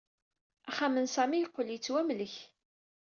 Axxam n Sami yeqqel yettwamlek.